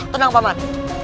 tenang pak man